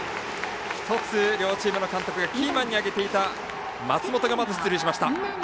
１つ、両チームの監督がキーマンに挙げていた松本が、まず出塁しました。